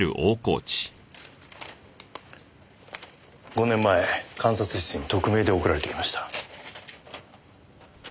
５年前監察室に匿名で送られてきました。